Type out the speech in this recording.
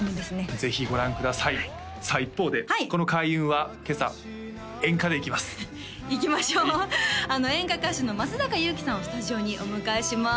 ぜひご覧くださいさあ一方でこの開運は今朝演歌でいきますいきましょう演歌歌手の松阪ゆうきさんをスタジオにお迎えします